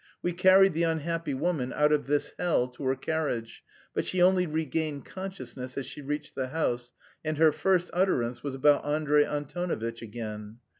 We carried the unhappy woman out of this hell to her carriage, but she only regained consciousness as she reached the house, and her first utterance was about Andrey Antonovitch again.